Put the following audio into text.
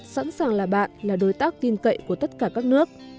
sẵn sàng là bạn là đối tác tin cậy của tất cả các nước